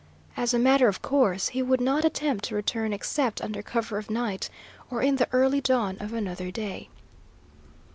As a matter of course, he would not attempt to return except under cover of night, or in the early dawn of another day.